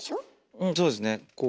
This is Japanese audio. うんそうですねこう。